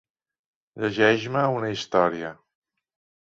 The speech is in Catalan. Llegeix-me una història.